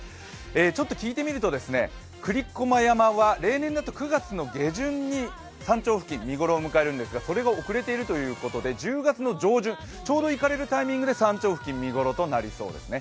ちょっと聞いてみると栗駒山は例年だと９月下旬に山頂付近、見頃を迎えるんですがそれが遅れているということで１０月の上旬、ちょうど行かれる付近、頂上は見ごろとなりそうですね。